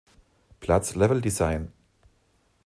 Platz Leveldesign.